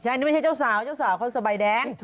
ใช่นี่ไม่ใช่เจ้าสาวเจ้าสาวเขาสบายแดง